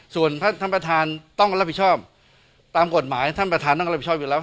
ส่วนท่านประธานต้องรับผิดชอบตามกฎหมายท่านประธานต้องรับผิดชอบอยู่แล้ว